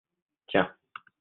tiens.